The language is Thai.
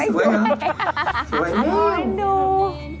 อันนี้ดู